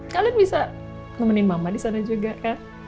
kalian bisa nemenin mama disana juga kan